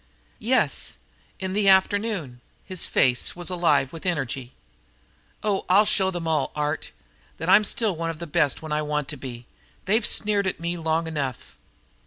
"Yes, in the afternoon." His face was alive with energy. "Oh, I'll show them all, Art, that I'm still one of the best when I want to be. They've sneered at me long enough."